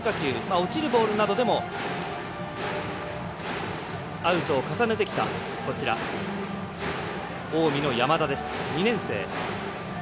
落ちるボールなどでもアウトを重ねてきた近江の山田、２年生。